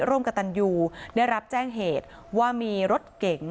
ร่วมกับตันยูได้รับแจ้งเหตุว่ามีรถเก๋ง